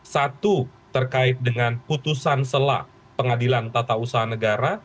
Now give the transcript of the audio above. satu terkait dengan putusan selak pengadilan tata usaha negara